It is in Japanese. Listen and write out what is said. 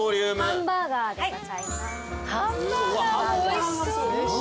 ハンバーガーもおいしそう。